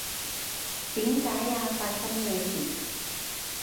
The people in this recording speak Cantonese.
點解呀？發生咩事？